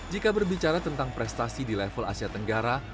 jika berbicara tentang prestasi di level asia tenggara